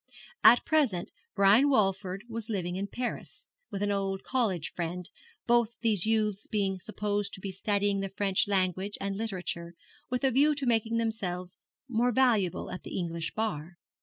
At present Brian Walford was living in Paris, with an old college friend, both these youths being supposed to be studying the French language and literature, with a view to making themselves more valuable at the English bar.